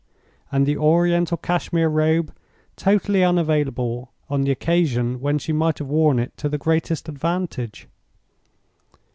and the Oriental Cashmere Robe totally unavailable on the occasion when she might have worn it to the greatest advantage!